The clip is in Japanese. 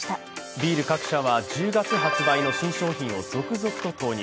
ビール各社は１０月発売の新商品を続々投入。